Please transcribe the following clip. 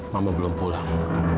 mama belum pulang